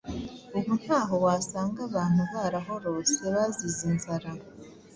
Ubu ntaho wasanga abantu barahorose bazize inzara.